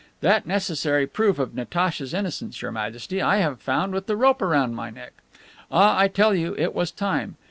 That necessary proof of Natacha's innocence, Your Majesty, I have found with the rope around my neck. Ah, I tell you it was time!